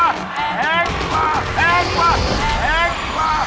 แพงกว่าแพงกว่าแพงกว่า